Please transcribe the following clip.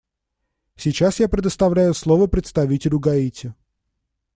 Сейчас я предоставляю слово представителю Гаити.